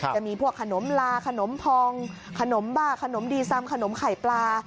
จะมีพวกขนมลาขนมพองขนมบ้าขนมดีซำขนมไข่ปลา